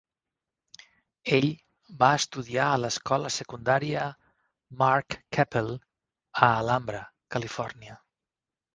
Ell va estudiar al l'escola secundària Mark Keppel a Alhambra, Califòrnia.